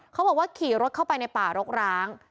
เขาบอกว่าขี่รถเข้าไปในป่ารกร้าง